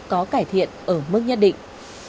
có cải thiện ở mức nhất định